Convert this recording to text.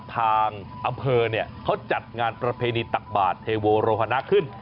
ทางอำเภอเขาจัดงานประเพณีตักบาทเทโวโรฮนะขึ้น